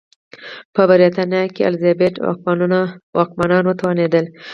په برېټانیا کې الیزابت او واکمنان وتوانېدل.